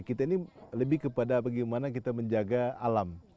kita ini lebih kepada bagaimana kita menjaga alam